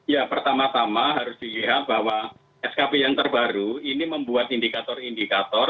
ya pertama tama harus dilihat bahwa skp yang terbaru ini membuat indikator indikator